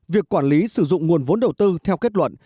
việc quản lý sử dụng nguồn vốn đầu tư theo kết luận